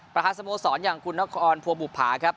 ประธานสโมสรอย่างคุณนครภัวบุภาครับ